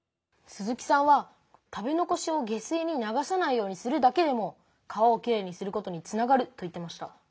鈴木さんは食べ残しを下水に流さないようにするだけでも川をきれいにすることにつながると言ってました。